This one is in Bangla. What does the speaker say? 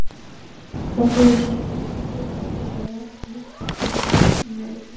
সফল ঋণ পরিশোধের পরে তারা আরেকটি ঋণের আবেদন করতে পারে।